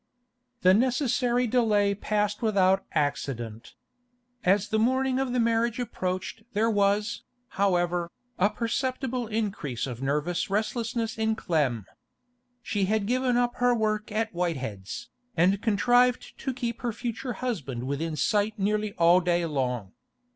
The necessary delay passed without accident. As the morning of the marriage approached there was, however, a perceptible increase of nervous restlessness in Clem. She had given up her work at Whitehead's, and contrived to keep her future husband within sight nearly all day long.